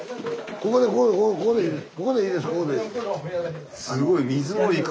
ここでいいです